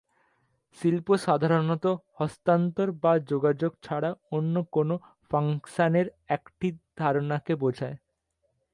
শিল্প সাধারণত হস্তান্তর বা যোগাযোগ ছাড়া অন্য কোন ফাংশনের একটি ধারণাকে বোঝায়।